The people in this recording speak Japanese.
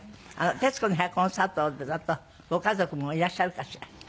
「徹子の部屋」コンサートだとご家族もいらっしゃるかしら？